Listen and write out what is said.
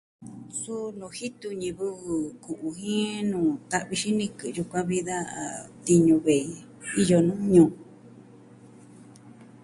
Suu nuu jitu ñivɨ ku'u jin ta'vi xinikɨ yukuan vi da tiñu vei iyo nuu ñuu.